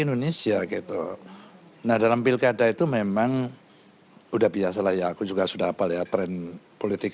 indonesia gitu nah dalam pilkada itu memang udah biasa lah ya aku juga sudah apa ya tren politik